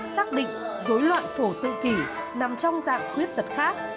xác định dối loạn phổ tự kỷ nằm trong dạng khuyết tật khác